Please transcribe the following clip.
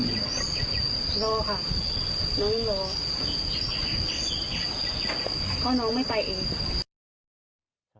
อ่ะรอค่ะ